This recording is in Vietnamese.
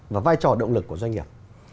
và vai trò động lực của doanh nghiệp